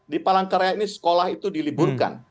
di palangkaraya ini sekolah itu diliburkan